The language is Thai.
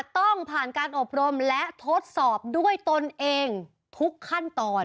ต้องผ่านการอบรมและทดสอบด้วยตนเองทุกขั้นตอน